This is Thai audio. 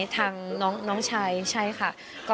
ทางน้องชายใช่ค่ะ